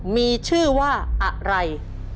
มีชื่อว่าอะไร